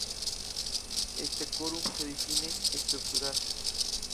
Este quórum se define como "estructural".